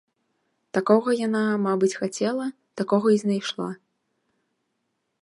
Такога яна, мабыць, хацела, такога і знайшла.